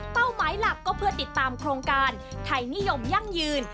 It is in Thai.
หมายหลักก็เพื่อติดตามโครงการไทยนิยมยั่งยืน